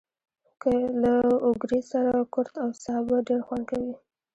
له اوگرې سره کورت او سابه ډېر خوند کوي.